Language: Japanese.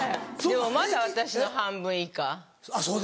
でもまだ私の半分以下。